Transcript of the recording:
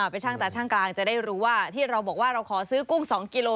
ไปช่างตาช่างกลางจะได้รู้ว่าที่เราบอกว่าเราขอซื้อกุ้ง๒กิโล